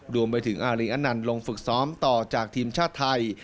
รวมไปถึงอารีอนันต์ลงฝึกซ้อมต่อจากทีมชาติไทย